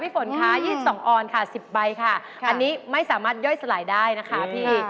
ปัสสิบค่ะอันนี้ไม่สามารถย่อยสลายได้นะคะพี่